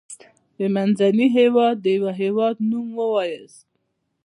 د منځني هيواد دیوه هیواد نوم ووایاست.